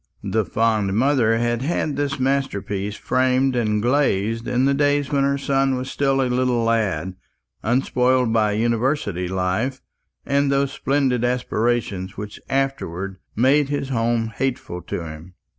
The fond mother had had this masterpiece framed and glazed in the days when her son was still a little lad, unspoiled by University life and those splendid aspirations which afterwards made his home hateful to him.